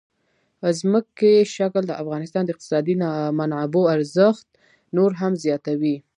ځمکنی شکل د افغانستان د اقتصادي منابعو ارزښت نور هم زیاتوي.